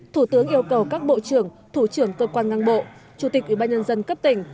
thủ tướng yêu cầu các bộ trưởng thủ trưởng cơ quan ngang bộ chủ tịch ủy ban nhân dân cấp tỉnh